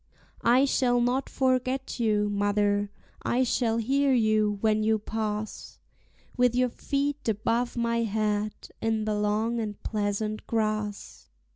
I shall not forget you, mother; I shall hear you when you pass, With your feet above my head in the long and pleasant grass.